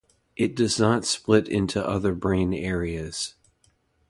It does not split into other brain areas.